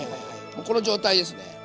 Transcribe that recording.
この状態ですね。